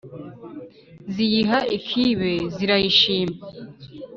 ziyiha ikbe zirayishima